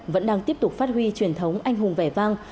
vẫn đang tiếp tục phát huy truyền thống anh hùng vẻ vang